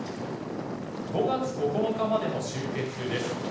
５月９日までの終結です。